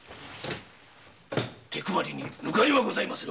手配りに抜かりはございませぬ。